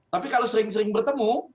tapi kalau sering sering bertemu